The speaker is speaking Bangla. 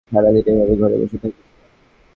সারাদিন এভাবে ঘরে বসে থাকিস না।